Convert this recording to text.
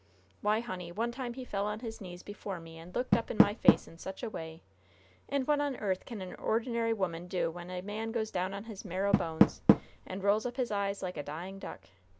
Why, honey, one time he fell on his knees before me and looked up in my face in such a way! And what on earth can an ordinary 'oman do when a man goes down on his marrow bones and rolls up his eyes like a dying duck?